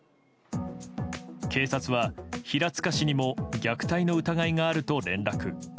警察は平塚市にも虐待の疑いがあると連絡。